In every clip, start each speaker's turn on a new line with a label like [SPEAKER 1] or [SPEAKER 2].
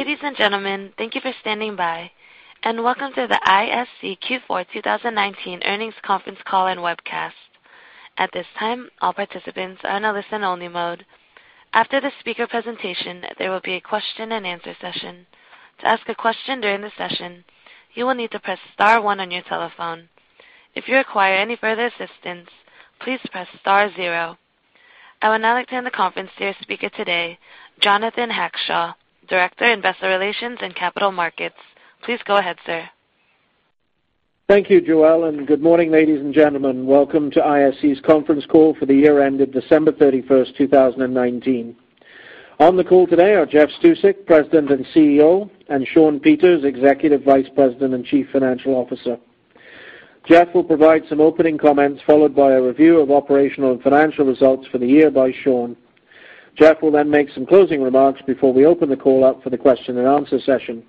[SPEAKER 1] Ladies and gentlemen, thank you for standing by, and welcome to the ISC Q4 2019 earnings conference call and webcast. At this time, all participants are in a listen-only mode. After the speaker presentation, there will be a question-and-answer session. To ask a question during the session, you will need to press star one on your telephone. If you require any further assistance, please press star zero. I would now like to hand the conference to your speaker today, Jonathan Hackshaw, Director, Investor Relations and Capital Markets. Please go ahead, sir.
[SPEAKER 2] Thank you, Joelle. Good morning, ladies and gentlemen. Welcome to ISC's conference call for the year ended December 31st, 2019. On the call today are Jeff Stusek, President and CEO, and Shawn Peters, Executive Vice President and Chief Financial Officer. Jeff will provide some opening comments, followed by a review of operational and financial results for the year by Shawn. Jeff will make some closing remarks before we open the call up for the question-and-answer session.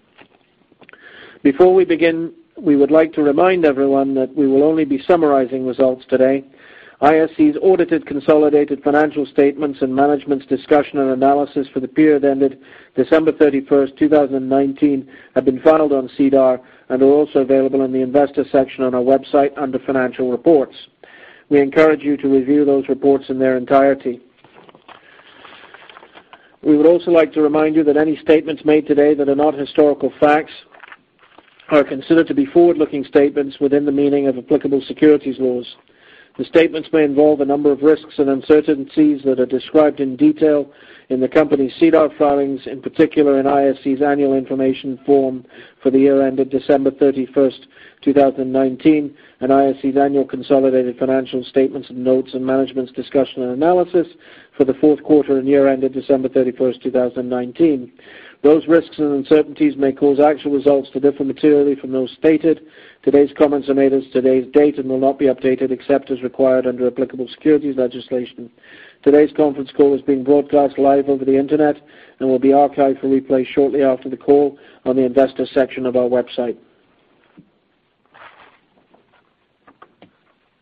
[SPEAKER 2] Before we begin, we would like to remind everyone that we will only be summarizing results today. ISC's audited consolidated financial statements and Management's Discussion and Analysis for the period ended December 31st, 2019 have been filed on SEDAR and are also available on the investor section on our website under financial reports. We encourage you to review those reports in their entirety. We would also like to remind you that any statements made today that are not historical facts are considered to be forward-looking statements within the meaning of applicable securities laws. The statements may involve a number of risks and uncertainties that are described in detail in the company's SEDAR filings, in particular in ISC's annual information form for the year ended December 31st, 2019, and ISC's annual consolidated financial statements and notes and management's discussion and analysis for the fourth quarter and year ended December 31st, 2019. Those risks and uncertainties may cause actual results to differ materially from those stated. Today's comments are made as today's date and will not be updated except as required under applicable securities legislation. Today's conference call is being broadcast live over the internet and will be archived for replay shortly after the call on the investor section of our website.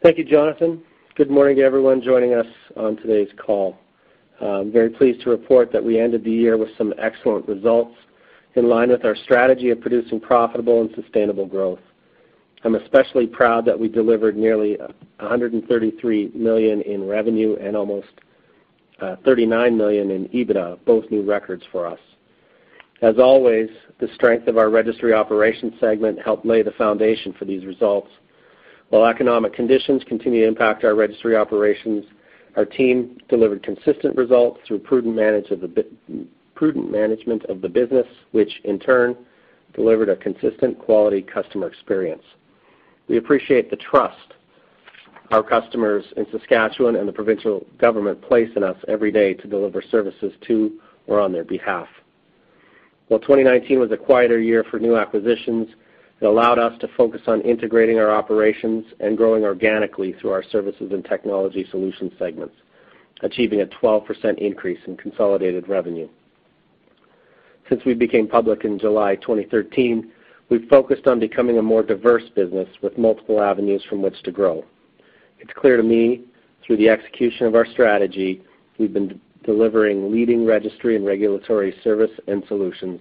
[SPEAKER 3] Thank you, Jonathan. Good morning to everyone joining us on today's call. I'm very pleased to report that we ended the year with some excellent results in line with our strategy of producing profitable and sustainable growth. I'm especially proud that we delivered nearly 133 million in revenue and almost 39 million in EBITDA, both new records for us. As always, the strength of our Registry Operations segment helped lay the foundation for these results. While economic conditions continue to impact our Registry Operations, our team delivered consistent results through prudent management of the business, which in turn delivered a consistent quality customer experience. We appreciate the trust our customers in Saskatchewan and the provincial government place in us every day to deliver services to or on their behalf. While 2019 was a quieter year for new acquisitions, it allowed us to focus on integrating our operations and growing organically through our Services and Technology Solution segments, achieving a 12% increase in consolidated revenue. Since we became public in July 2013, we've focused on becoming a more diverse business with multiple avenues from which to grow. It's clear to me through the execution of our strategy, we've been delivering leading Registry and Regulatory Service and Solutions,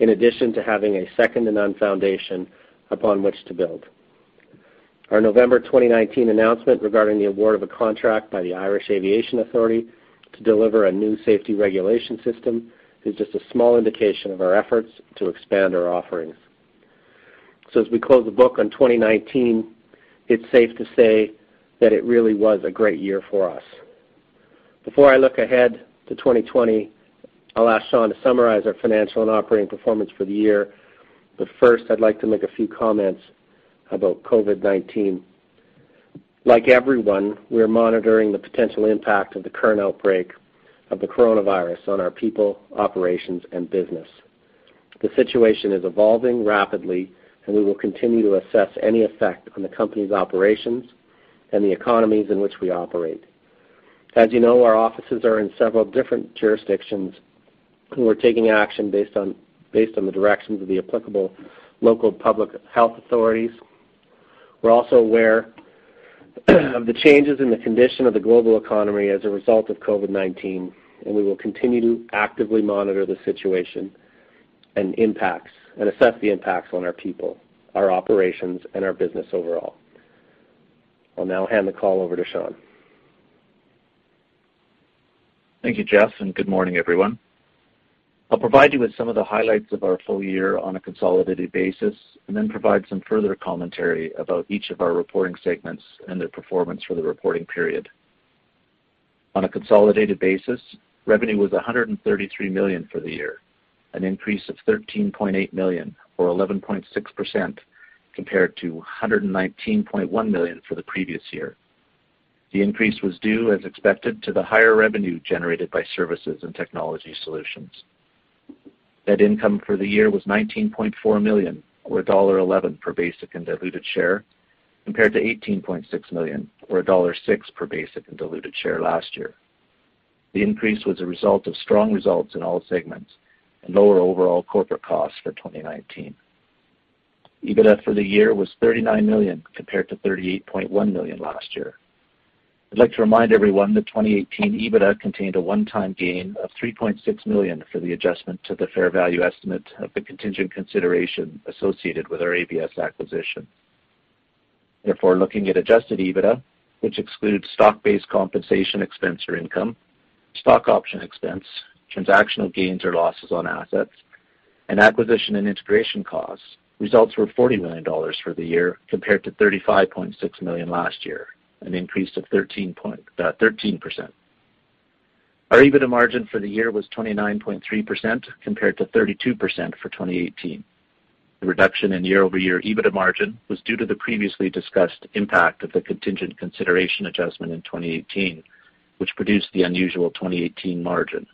[SPEAKER 3] in addition to having a second-to-none foundation upon which to build. Our November 2019 announcement regarding the award of a contract by the Irish Aviation Authority to deliver a new safety regulation system is just a small indication of our efforts to expand our offerings. As we close the book on 2019, it's safe to say that it really was a great year for us. Before I look ahead to 2020, I'll ask Shawn to summarize our financial and operating performance for the year. First, I'd like to make a few comments about COVID-19. Like everyone, we're monitoring the potential impact of the current outbreak of the coronavirus on our people, operations, and business. The situation is evolving rapidly, and we will continue to assess any effect on the company's operations and the economies in which we operate. As you know, our offices are in several different jurisdictions, and we're taking action based on the directions of the applicable local public health authorities. We're also aware of the changes in the condition of the global economy as a result of COVID-19, and we will continue to actively monitor the situation and assess the impacts on our people, our operations, and our business overall. I'll now hand the call over to Shawn.
[SPEAKER 4] Thank you, Jeff, and good morning, everyone. I'll provide you with some of the highlights of our full year on a consolidated basis and then provide some further commentary about each of our reporting segments and their performance for the reporting period. On a consolidated basis, revenue was 133 million for the year, an increase of 13.8 million or 11.6% compared to 119.1 million for the previous year. The increase was due, as expected, to the higher revenue generated by Services and Technology Solutions. Net income for the year was 19.4 million or dollar 1.11 per basic and diluted share, compared to 18.6 million or dollar 1.06 per basic and diluted share last year. The increase was a result of strong results in all segments and lower overall corporate costs for 2019. EBITDA for the year was 39 million compared to 38.1 million last year. I'd like to remind everyone that 2018 EBITDA contained a one-time gain of 3.6 million for the adjustment to the fair value estimate of the contingent consideration associated with our AVS acquisition. Looking at adjusted EBITDA, which excludes stock-based compensation expense or income, stock option expense, transactional gains or losses on assets, and acquisition and integration costs, results were 40 million dollars for the year compared to 35.6 million last year, an increase of 13%. Our EBITDA margin for the year was 29.3% compared to 32% for 2018. The reduction in year-over-year EBITDA margin was due to the previously discussed impact of the contingent consideration adjustment in 2018, which produced the unusual 2018 margin.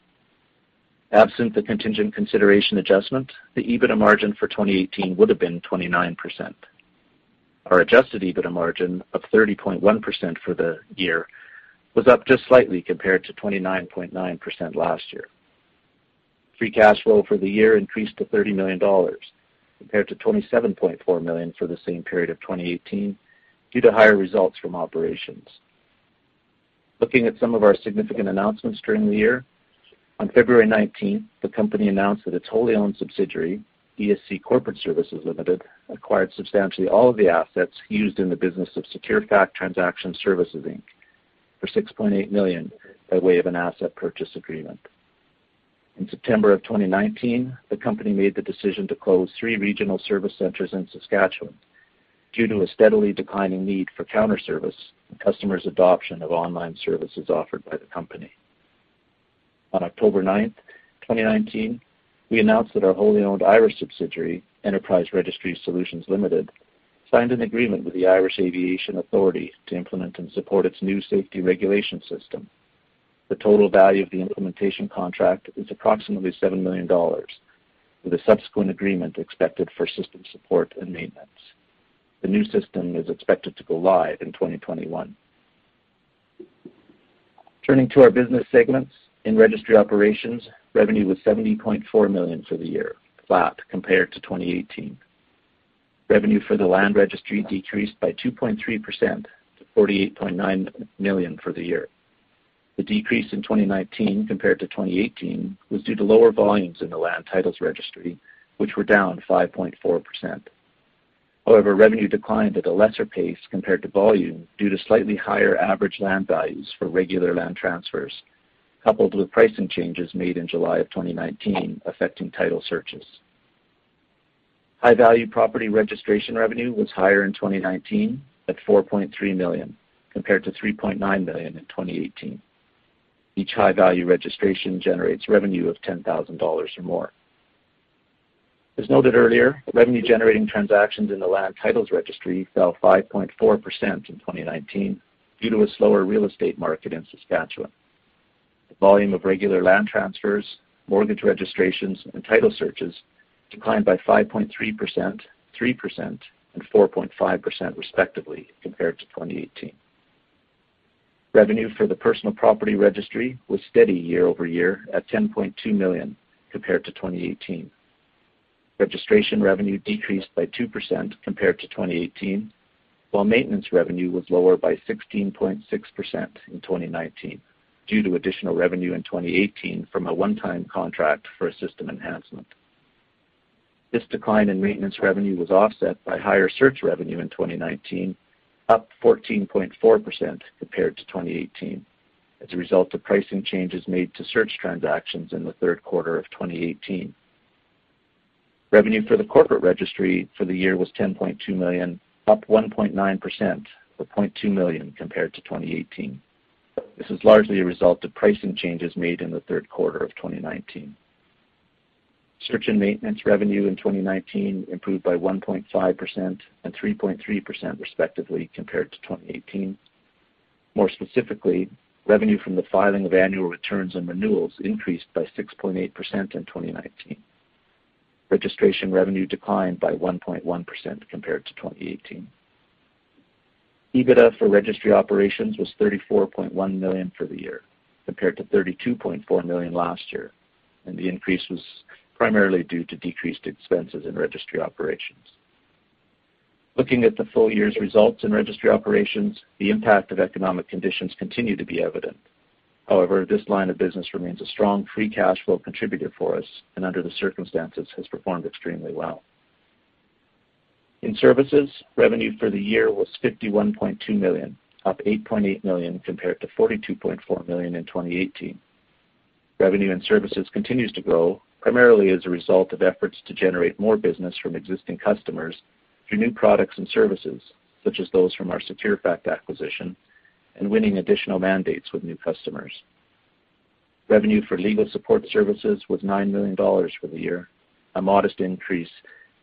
[SPEAKER 4] Absent the contingent consideration adjustment, the EBITDA margin for 2018 would have been 29%. Our adjusted EBITDA margin of 30.1% for the year was up just slightly compared to 29.9% last year. Free cash flow for the year increased to 30 million dollars compared to 27.4 million for the same period of 2018 due to higher results from operations. Looking at some of our significant announcements during the year, on February 19th, the company announced that its wholly owned subsidiary, ESC Corporate Services Limited, acquired substantially all of the assets used in the business of SecureFact Transaction Services, Inc. for 6.8 million by way of an asset purchase agreement. In September of 2019, the company made the decision to close three regional service centers in Saskatchewan due to a steadily declining need for counter service and customers' adoption of online services offered by the company. On October 9th, 2019, we announced that our wholly owned Irish subsidiary, Enterprise Registry Solutions Limited, signed an agreement with the Irish Aviation Authority to implement and support its new safety regulation system. The total value of the implementation contract is approximately 7 million dollars, with a subsequent agreement expected for system support and maintenance. The new system is expected to go live in 2021. Turning to our business segments, in Registry Operations, revenue was 70.4 million for the year, flat compared to 2018. Revenue for the Land Registry decreased by 2.3% to 48.9 million for the year. The decrease in 2019 compared to 2018 was due to lower volumes in the Land Titles Registry, which were down 5.4%. Revenue declined at a lesser pace compared to volume due to slightly higher average land values for regular land transfers, coupled with pricing changes made in July of 2019 affecting title searches. High-value property registration revenue was higher in 2019 at 4.3 million compared to 3.9 million in 2018. Each high-value registration generates revenue of 10,000 dollars or more. As noted earlier, revenue-generating transactions in the Land Titles Registry fell 5.4% in 2019 due to a slower real estate market in Saskatchewan. The volume of regular land transfers, mortgage registrations, and title searches declined by 5.3%, 3%, and 4.5% respectively compared to 2018. Revenue for the Personal Property Registry was steady year-over-year at 10.2 million compared to 2018. Registration revenue decreased by 2% compared to 2018, while maintenance revenue was lower by 16.6% in 2019 due to additional revenue in 2018 from a one-time contract for a system enhancement. This decline in maintenance revenue was offset by higher search revenue in 2019, up 14.4% compared to 2018 as a result of pricing changes made to search transactions in the third quarter of 2018. Revenue for the Corporate Registry for the year was 10.2 million, up 1.9% or 0.2 million compared to 2018. This is largely a result of pricing changes made in the third quarter of 2019. Search and maintenance revenue in 2019 improved by 1.5% and 3.3% respectively compared to 2018. More specifically, revenue from the filing of annual returns and renewals increased by 6.8% in 2019. Registration revenue declined by 1.1% compared to 2018. EBITDA for Registry Operations was 34.1 million for the year compared to 32.4 million last year. The increase was primarily due to decreased expenses in Registry Operations. Looking at the full year's results in Registry Operations, the impact of economic conditions continue to be evident. However, this line of business remains a strong free cash flow contributor for us and under the circumstances has performed extremely well. In Services, revenue for the year was 51.2 million, up 8.8 million compared to 42.4 million in 2018. Revenue in services continues to grow primarily as a result of efforts to generate more business from existing customers through new products and services such as those from our SecureFact acquisition and winning additional mandates with new customers. Revenue for legal support services was 9 million dollars for the year, a modest increase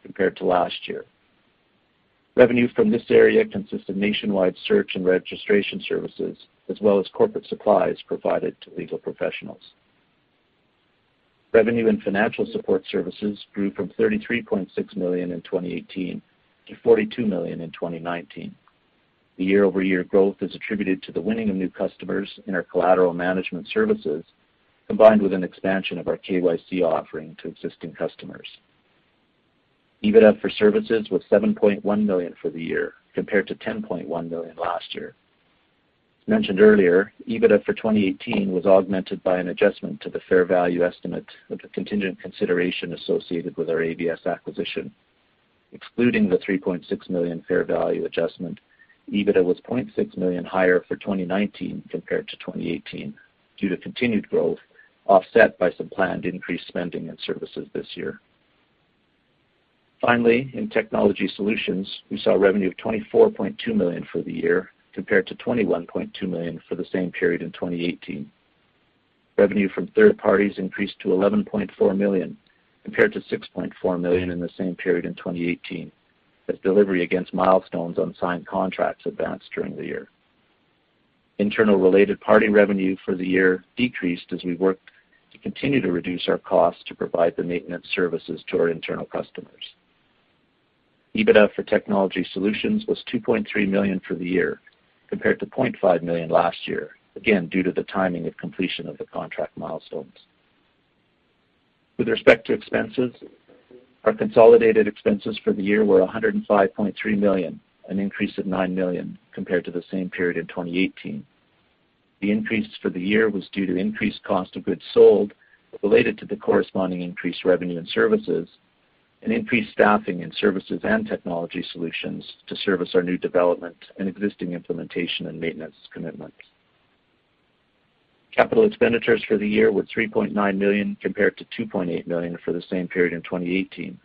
[SPEAKER 4] compared to last year. Revenue from this area consists of nationwide search and registration services as well as corporate supplies provided to legal professionals. Revenue in financial support services grew from 33.6 million in 2018 to 42 million in 2019. The year-over-year growth is attributed to the winning of new customers in our collateral management services, combined with an expansion of our KYC offering to existing customers. EBITDA for services was 7.1 million for the year, compared to 10.1 million last year. Mentioned earlier, EBITDA for 2018 was augmented by an adjustment to the fair value estimate of the contingent consideration associated with our AVS acquisition. Excluding the 3.6 million fair value adjustment, EBITDA was 0.6 million higher for 2019 compared to 2018 due to continued growth, offset by some planned increased spending and services this year. Finally, in Technology Solutions, we saw revenue of 24.2 million for the year, compared to 21.2 million for the same period in 2018. Revenue from third parties increased to 11.4 million, compared to 6.4 million in the same period in 2018, as delivery against milestones on signed contracts advanced during the year. Internal related party revenue for the year decreased as we worked to continue to reduce our costs to provide the maintenance services to our internal customers. EBITDA for Technology Solutions was 2.3 million for the year, compared to 0.5 million last year, again, due to the timing of completion of the contract milestones. With respect to expenses, our consolidated expenses for the year were 105.3 million, an increase of 9 million compared to the same period in 2018. The increase for the year was due to increased cost of goods sold related to the corresponding increased revenue and services, and increased staffing in Services and Technology Solutions to service our new development and existing implementation and maintenance commitments. Capital expenditures for the year were 3.9 million, compared to 2.8 million for the same period in 2018.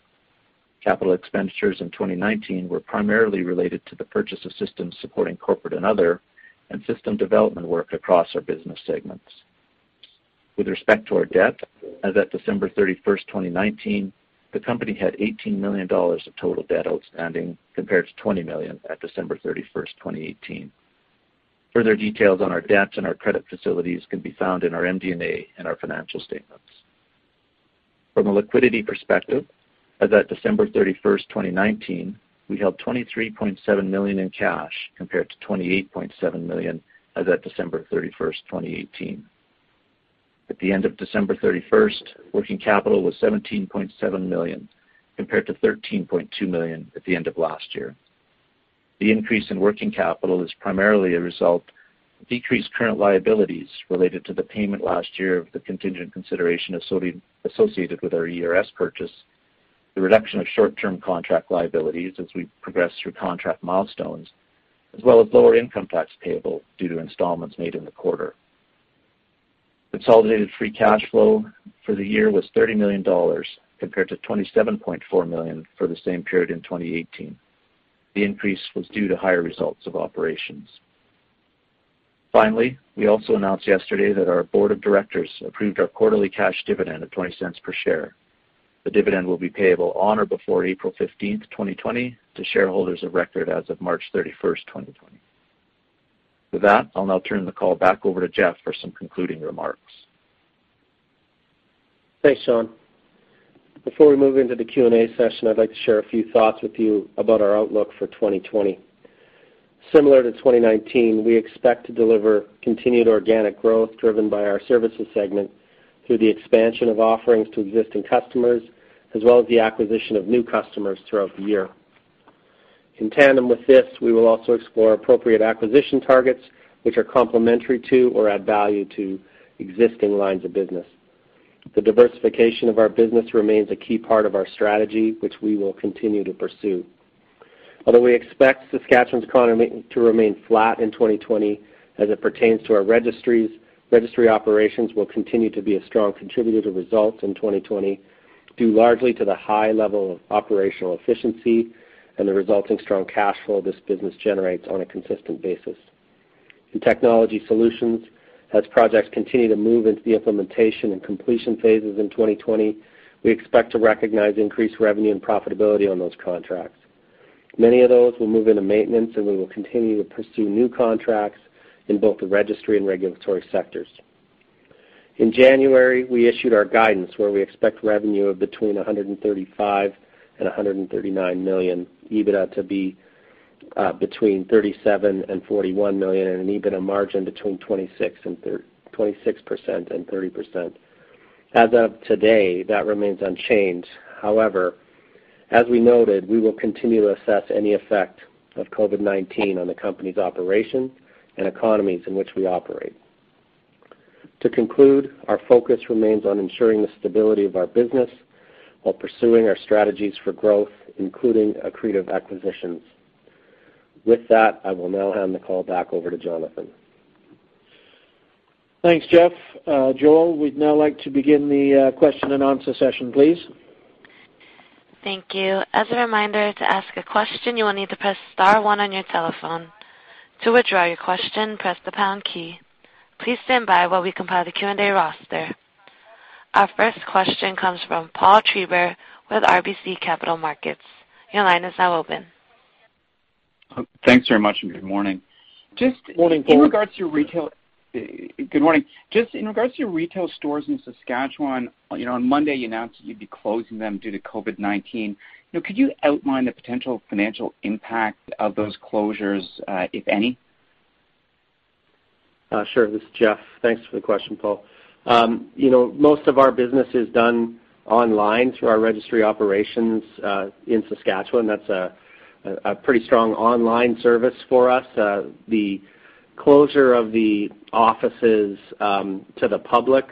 [SPEAKER 4] Capital expenditures in 2019 were primarily related to the purchase of systems supporting corporate and other, and system development work across our business segments. With respect to our debt, as at December 31st, 2019, the company had 18 million dollars of total debt outstanding, compared to 20 million at December 31st, 2018. Further details on our debts and our credit facilities can be found in our MD&A and our financial statements. From a liquidity perspective, as at December 31st, 2019, we held CAD 23.7 million in cash, compared to CAD 28.7 million as at December 31st, 2018. At the end of December 31st, working capital was 17.7 million, compared to 13.2 million at the end of last year. The increase in working capital is primarily a result of decreased current liabilities related to the payment last year of the contingent consideration associated with our ERS purchase, the reduction of short-term contract liabilities as we progress through contract milestones, as well as lower income tax payable due to installments made in the quarter. Consolidated free cash flow for the year was 30 million dollars, compared to 27.4 million for the same period in 2018. The increase was due to higher results of operations. Finally, we also announced yesterday that our board of directors approved our quarterly cash dividend of 0.20 per share. The dividend will be payable on or before April 15th, 2020 to shareholders of record as of March 31st, 2020. With that, I'll now turn the call back over to Jeff for some concluding remarks.
[SPEAKER 3] Thanks, Shawn. Before we move into the Q&A session, I'd like to share a few thoughts with you about our outlook for 2020. Similar to 2019, we expect to deliver continued organic growth driven by our services segment through the expansion of offerings to existing customers, as well as the acquisition of new customers throughout the year. In tandem with this, we will also explore appropriate acquisition targets which are complementary to or add value to existing lines of business. The diversification of our business remains a key part of our strategy, which we will continue to pursue. Although we expect Saskatchewan's economy to remain flat in 2020 as it pertains to our registries, Registry Operations will continue to be a strong contributor to results in 2020, due largely to the high level of operational efficiency and the resulting strong cash flow this business generates on a consistent basis. In Technology Solutions, as projects continue to move into the implementation and completion phases in 2020, we expect to recognize increased revenue and profitability on those contracts. Many of those will move into maintenance, and we will continue to pursue new contracts in both the registry and regulatory sectors. In January, we issued our guidance where we expect revenue of between 135 million and 139 million, EBITDA to be between 37 million and 41 million, and an EBITDA margin between 26% and 30%. As of today, that remains unchanged. However, as we noted, we will continue to assess any effect of COVID-19 on the company's operations and economies in which we operate. To conclude, our focus remains on ensuring the stability of our business while pursuing our strategies for growth, including accretive acquisitions. With that, I will now hand the call back over to Jonathan.
[SPEAKER 2] Thanks, Jeff. Joelle, we'd now like to begin the question-and-answer session, please.
[SPEAKER 1] Thank you. As a reminder, to ask a question, you will need to press star one on your telephone. To withdraw your question, press the pound key. Please stand by while we compile the Q&A roster. Our first question comes from Paul Treiber with RBC Capital Markets. Your line is now open.
[SPEAKER 5] Thanks very much, and good morning.
[SPEAKER 3] Morning, Paul.
[SPEAKER 5] Good morning. In regards to your retail stores in Saskatchewan, on Monday you announced that you'd be closing them due to COVID-19. Could you outline the potential financial impact of those closures, if any?
[SPEAKER 3] Sure. This is Jeff. Thanks for the question, Paul. Most of our business is done online through our Registry Operations, in Saskatchewan. That's a pretty strong online service for us. The closure of the offices to the public,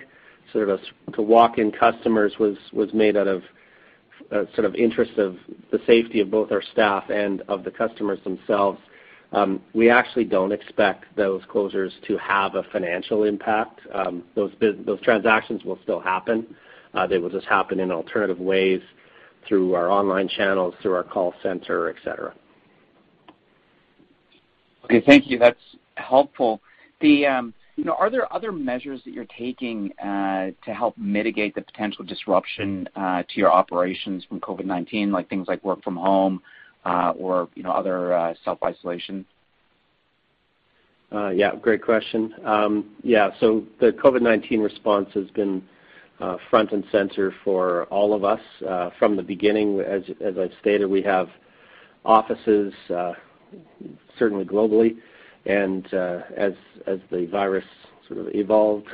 [SPEAKER 3] to walk-in customers, was made out of interest of the safety of both our staff and of the customers themselves. We actually don't expect those closures to have a financial impact. Those transactions will still happen. They will just happen in alternative ways through our online channels, through our call center, et cetera.
[SPEAKER 5] Okay, thank you. That's helpful. Are there other measures that you're taking to help mitigate the potential disruption to your operations from COVID-19, things like work from home or other self-isolation?
[SPEAKER 3] Great question. The COVID-19 response has been front and center for all of us from the beginning. As I've stated, we have offices certainly globally, and as the virus sort of evolved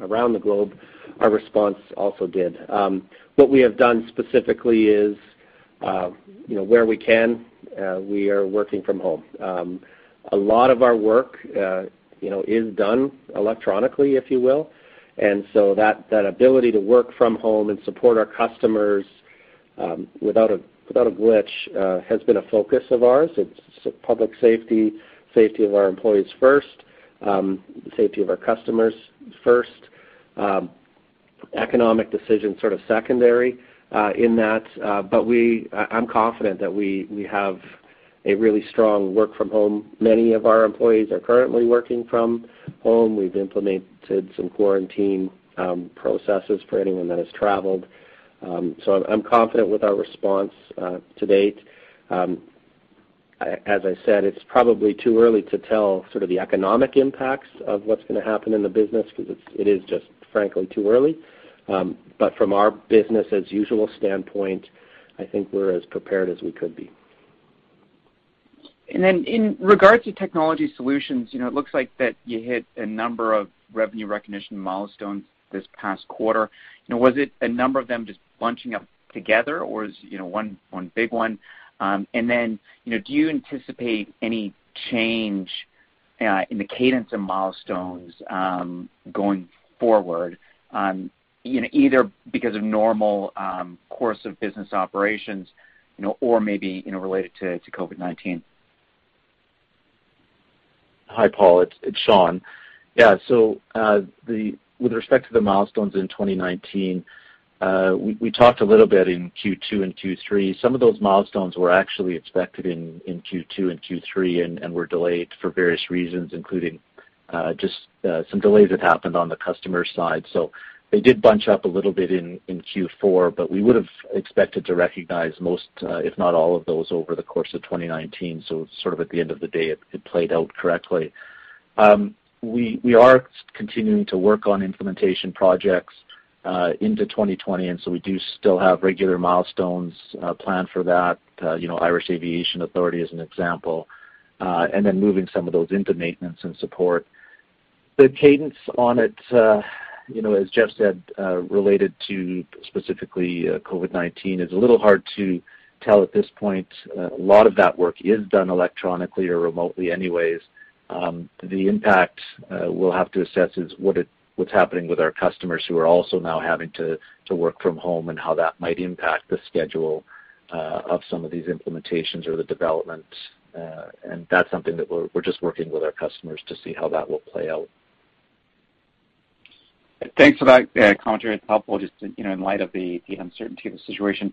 [SPEAKER 3] around the globe, our response also did. What we have done specifically is where we can, we are working from home. A lot of our work is done electronically, if you will. That ability to work from home and support our customers without a glitch has been a focus of ours. It's public safety of our employees first, the safety of our customers first. Economic decisions sort of secondary in that. I'm confident that we have a really strong work from home. Many of our employees are currently working from home. We've implemented some quarantine processes for anyone that has traveled. I'm confident with our response to date. As I said, it's probably too early to tell sort of the economic impacts of what's going to happen in the business because it is just, frankly, too early. From our business as usual standpoint, I think we're as prepared as we could be.
[SPEAKER 5] Then in regards to Technology Solutions, it looks like that you hit a number of revenue recognition milestones this past quarter. Was it a number of them just bunching up together or is one big one? Then, do you anticipate any change in the cadence of milestones going forward either because of normal course of business operations or maybe related to COVID-19?
[SPEAKER 4] Hi, Paul. It's Shawn. Yeah. With respect to the milestones in 2019, we talked a little bit in Q2 and Q3. Some of those milestones were actually expected in Q2 and Q3 and were delayed for various reasons, including just some delays that happened on the customer side. They did bunch up a little bit in Q4, but we would've expected to recognize most, if not all of those over the course of 2019. sort of at the end of the day, it played out correctly. We are continuing to work on implementation projects into 2020, and so we do still have regular milestones planned for that, Irish Aviation Authority as an example, and then moving some of those into maintenance and support. The cadence on it, as Jeff said, related to specifically COVID-19 is a little hard to tell at this point. A lot of that work is done electronically or remotely anyways. The impact we'll have to assess is what's happening with our customers who are also now having to work from home and how that might impact the schedule of some of these implementations or the development. That's something that we're just working with our customers to see how that will play out.
[SPEAKER 5] Thanks for that commentary. It's helpful just in light of the uncertainty of the situation.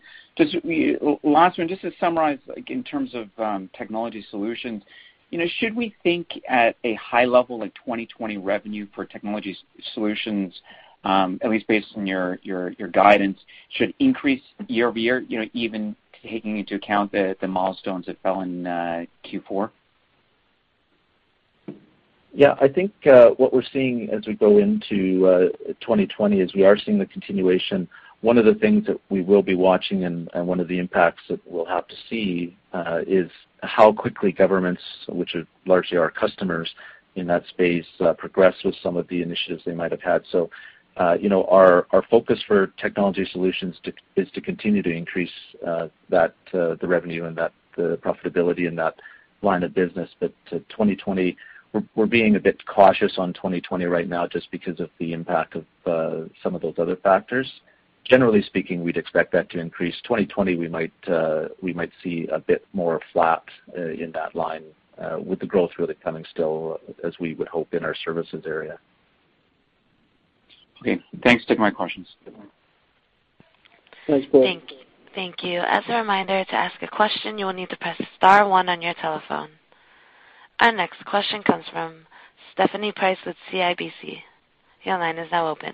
[SPEAKER 5] Last one, just to summarize in terms of Technology Solutions, should we think at a high level like 2020 revenue for Technology Solutions, at least based on your guidance, should increase year-over-year even taking into account the milestones that fell in Q4?
[SPEAKER 4] I think what we're seeing as we go into 2020 is we are seeing the continuation. One of the things that we will be watching and one of the impacts that we'll have to see is how quickly governments, which are largely our customers in that space, progress with some of the initiatives they might have had. Our focus for Technology Solutions is to continue to increase the revenue and the profitability in that line of business. 2020, we're being a bit cautious on 2020 right now just because of the impact of some of those other factors. Generally speaking, we'd expect that to increase. 2020 we might see a bit more flat in that line with the growth really coming still as we would hope in our services area.
[SPEAKER 5] Okay, thanks for taking my questions.
[SPEAKER 3] Thanks, Paul.
[SPEAKER 1] Thank you. As a reminder, to ask a question, you will need to press star one on your telephone. Our next question comes from Stephanie Price with CIBC. Your line is now open.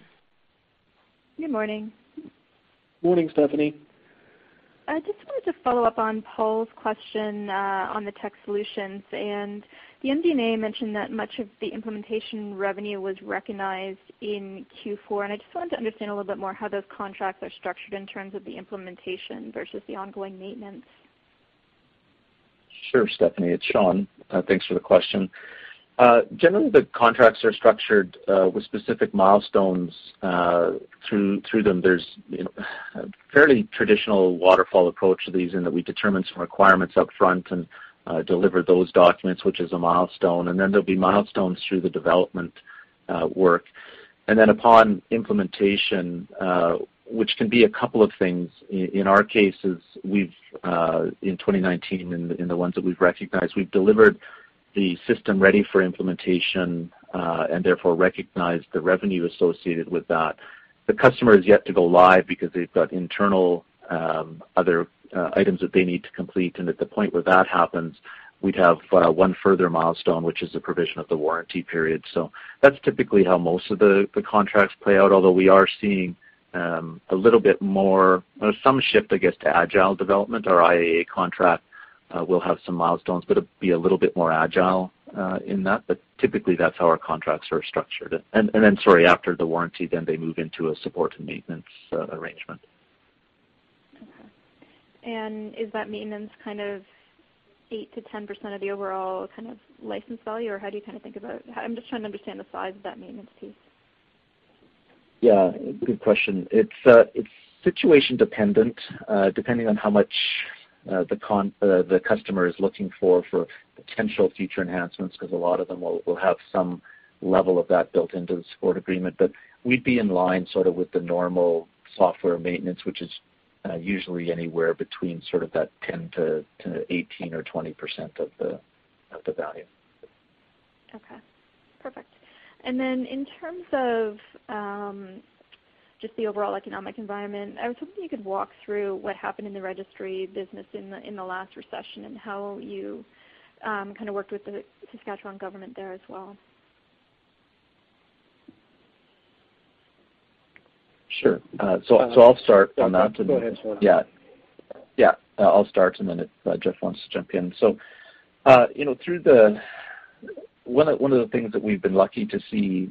[SPEAKER 6] Good morning.
[SPEAKER 3] Morning, Stephanie.
[SPEAKER 6] I just wanted to follow up on Paul's question on the Tech Solutions. The MD&A mentioned that much of the implementation revenue was recognized in Q4, and I just wanted to understand a little bit more how those contracts are structured in terms of the implementation versus the ongoing maintenance.
[SPEAKER 4] Sure, Stephanie, it's Shawn. Thanks for the question. Generally, the contracts are structured with specific milestones through them. There's a fairly traditional waterfall approach to these in that we determine some requirements upfront and deliver those documents, which is a milestone. Then there'll be milestones through the development work. Then upon implementation, which can be a couple of things. In our cases, in 2019, in the ones that we've recognized, we've delivered the system ready for implementation, and therefore recognized the revenue associated with that. The customer has yet to go live because they've got internal other items that they need to complete. At the point where that happens, we'd have one further milestone, which is the provision of the warranty period. That's typically how most of the contracts play out, although we are seeing a little bit more, some shift, I guess, to agile development. Our IAA contract will have some milestones, but it'll be a little bit more agile in that. Typically, that's how our contracts are structured. Then, sorry, after the warranty, then they move into a support and maintenance arrangement.
[SPEAKER 6] Okay. Is that maintenance kind of 8%-10% of the overall kind of license value, or how do you kind of think about it? I'm just trying to understand the size of that maintenance piece.
[SPEAKER 4] Yeah, good question. It's situation dependent, depending on how much the customer is looking for potential future enhancements, because a lot of them will have some level of that built into the support agreement. We'd be in line sort of with the normal software maintenance, which is usually anywhere between sort of that 10%-18% or 20% of the value.
[SPEAKER 6] Okay, perfect. Then in terms of just the overall economic environment, I was hoping you could walk through what happened in the Registry business in the last recession and how you kind of worked with the Saskatchewan government there as well?
[SPEAKER 4] Sure. I'll start on that.
[SPEAKER 3] Go ahead, Shawn.
[SPEAKER 4] Yeah. I'll start, and then if Jeff Stusek wants to jump in. One of the things that we've been lucky to see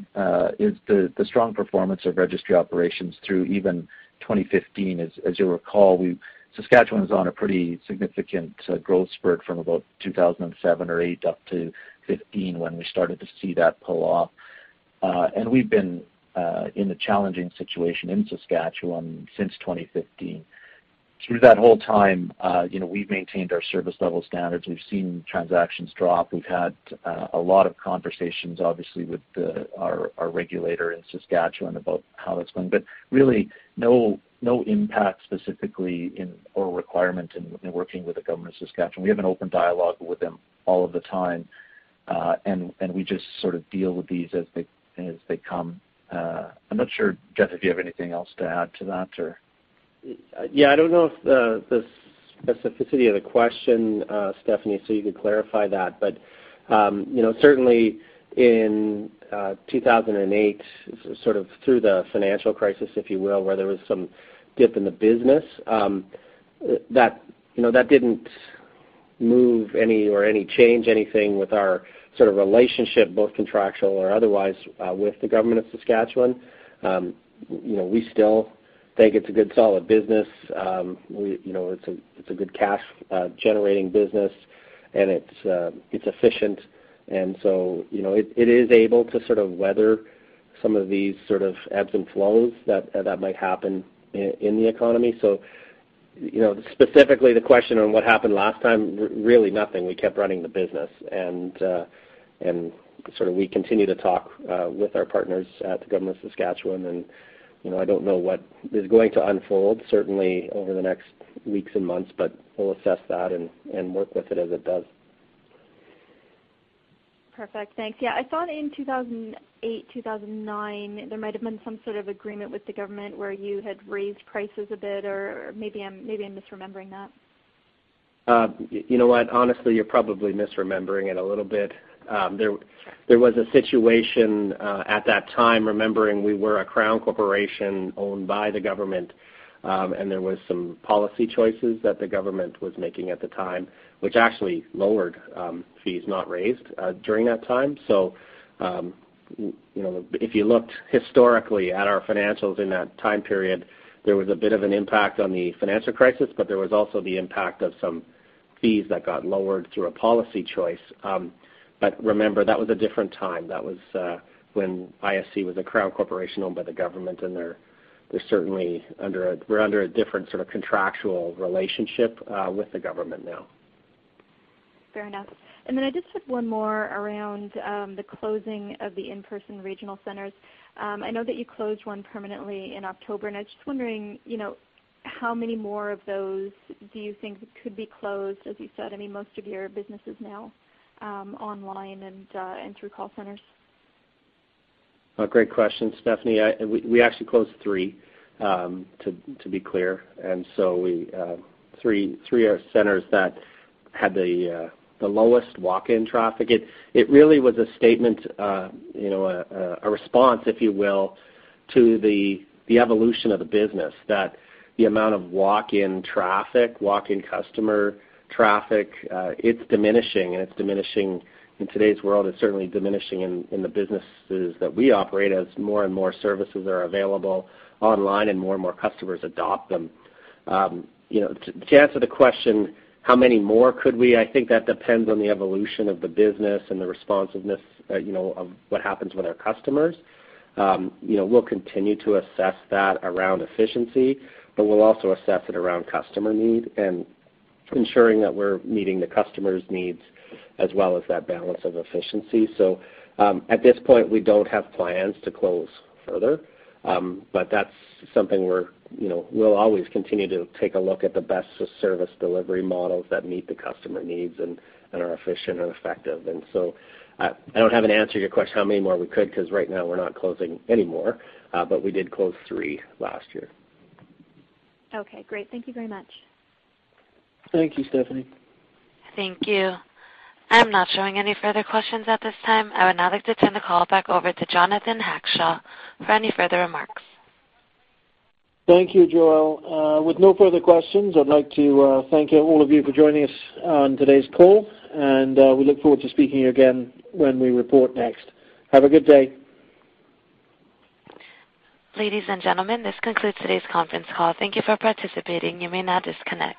[SPEAKER 4] is the strong performance of Registry Operations through even 2015. As you'll recall, Saskatchewan was on a pretty significant growth spurt from about 2007 or 2008 up to 2015 when we started to see that pull off. We've been in a challenging situation in Saskatchewan since 2015. Through that whole time, we've maintained our service level standards. We've seen transactions drop. We've had a lot of conversations, obviously, with our regulator in Saskatchewan about how that's going. Really, no impact specifically or requirement in working with the government of Saskatchewan. We have an open dialogue with them all of the time, and we just sort of deal with these as they come. I'm not sure, Jeff, if you have anything else to add to that or.
[SPEAKER 3] Yeah, I don't know if the specificity of the question, Stephanie. You could clarify that. Certainly in 2008, sort of through the financial crisis, if you will, where there was some dip in the business, that didn't move or change anything with our sort of relationship, both contractual or otherwise, with the government of Saskatchewan. We still think it's a good, solid business. It's a good cash-generating business. It's efficient. It is able to sort of weather some of these sort of ebbs and flows that might happen in the economy. Specifically, the question on what happened last time, really nothing. We kept running the business. Sort of we continue to talk with our partners at the government of Saskatchewan. I don't know what is going to unfold certainly over the next weeks and months, but we'll assess that and work with it as it does.
[SPEAKER 6] Perfect. Thanks. Yeah, I thought in 2008, 2009, there might have been some sort of agreement with the government where you had raised prices a bit, or maybe I'm misremembering that.
[SPEAKER 3] You know what? Honestly, you're probably misremembering it a little bit. There was a situation at that time, remembering we were a Crown Corporation owned by the government, and there was some policy choices that the government was making at the time, which actually lowered fees, not raised during that time. If you looked historically at our financials in that time period, there was a bit of an impact on the financial crisis, but there was also the impact of some fees that got lowered through a policy choice. Remember, that was a different time. That was when ISC was a Crown Corporation owned by the government, and we're under a different sort of contractual relationship with the government now.
[SPEAKER 6] Fair enough. I just have one more around the closing of the in-person regional centers. I know that you closed one permanently in October, and I'm just wondering how many more of those do you think could be closed? As you said, I mean, most of your business is now online and through call centers.
[SPEAKER 3] A great question, Stephanie. We actually closed three, to be clear. Three are centers that had the lowest walk-in traffic. It really was a statement, a response, if you will, to the evolution of the business, that the amount of walk-in traffic, walk-in customer traffic, it's diminishing. And it's diminishing in today's world. It's certainly diminishing in the businesses that we operate as more and more services are available online and more and more customers adopt them. To answer the question, how many more could we? I think that depends on the evolution of the business and the responsiveness of what happens with our customers. We'll continue to assess that around efficiency, but we'll also assess it around customer need and ensuring that we're meeting the customer's needs as well as that balance of efficiency. So at this point, we don't have plans to close further. That's something we'll always continue to take a look at the best service delivery models that meet the customer needs and are efficient and effective. I don't have an answer to your question how many more we could, because right now we're not closing any more. We did close three last year.
[SPEAKER 6] Okay, great. Thank you very much.
[SPEAKER 3] Thank you, Stephanie.
[SPEAKER 1] Thank you. I'm not showing any further questions at this time. I would now like to turn the call back over to Jonathan Hackshaw for any further remarks.
[SPEAKER 2] Thank you, Joelle. With no further questions, I'd like to thank all of you for joining us on today's call, and we look forward to speaking again when we report next. Have a good day.
[SPEAKER 1] Ladies and gentlemen, this concludes today's conference call. Thank you for participating. You may now disconnect.